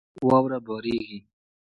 واوره بارېږي.